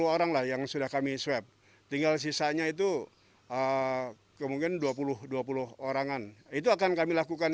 tujuh puluh orang lah yang sudah kami sweep tinggal sisanya itu ke mungkin dua puluh dua puluh orang an itu akan kami lakukan